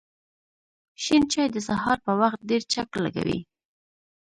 شین چای د سهار په وخت ډېر چک لږوی